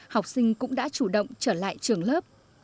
học sinh cũng đã chủ động trở lại trường lớp